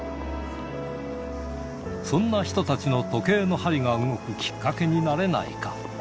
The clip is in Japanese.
そんな人たちの時計の針が動くきっかけになれないか。